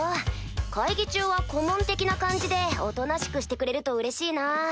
会議中は顧問的な感じでおとなしくしてくれるとうれしいなぁ。